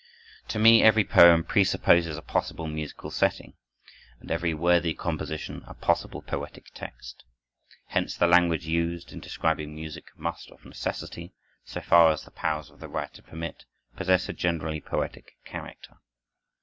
To me every poem presupposes a possible musical setting, and every worthy composition, a possible poetic text. Hence the language used, in describing music, must of necessity, so far as the powers of the writer permit, possess a generally poetic character.